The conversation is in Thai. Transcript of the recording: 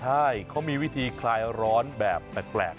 ใช่เขามีวิธีคลายร้อนแบบแปลก